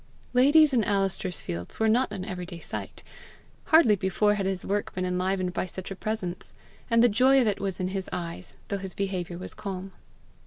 Ladies in Alister's fields were not an everyday sight. Hardly before had his work been enlivened by such a presence; and the joy of it was in his eyes, though his behaviour was calm.